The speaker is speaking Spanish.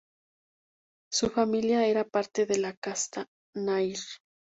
Su familia era parte de la casta Nair.